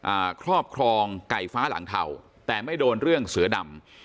ครอบครองไก่ฟ้าหลังเทาแต่ไม่โดนเรื่องเสือดำ